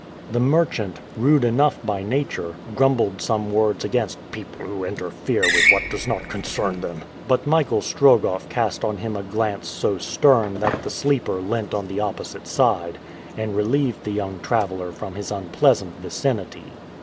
The merchant, rude enough by nature, grumbled some words against "people who interfere with what does not concern them," but Michael Strogoff cast on him a glance so stern that the sleeper leant on the opposite side, and relieved the young traveler from his unpleasant vicinity.